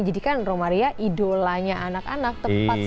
jadi kan romaria idolanya anak anak tepat sekali